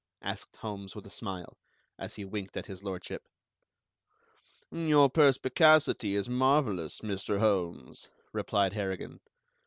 asked Holmes with a smile, as he winked at His Lordship. "Your perspicacity is marvelous, Mr. Holmes," replied Harrigan.